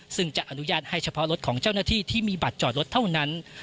ซึ่งจะอนุญาตให้เฉพาะรถของเจ้าหน้าที่ที่มีบัตรจอดรถเท่านั้น